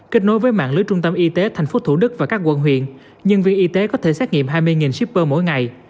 kết nối với mạng lưới trung tâm y tế tp thủ đức và các quận huyện nhân viên y tế có thể xét nghiệm hai mươi shipper mỗi ngày